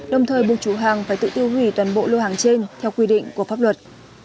đồng thời buộc chủ hàng phải tự tiêu hủy toàn bộ lô hàng trên theo quy định của pháp luật